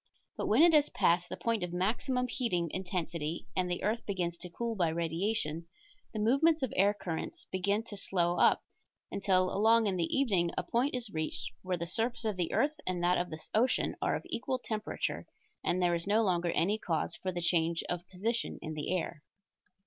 But when it has passed the point of maximum heating intensity and the earth begins to cool by radiation, the movements of air currents begin to slow up, until along in the evening a point is reached where the surface of the earth and that of the ocean are of equal temperature, and there is no longer any cause for change of position in the air.